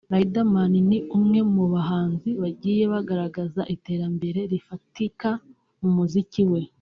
Riderman ni umwe mu bahanzi bagiye bagaragaza iterambere rifatika mu muziki we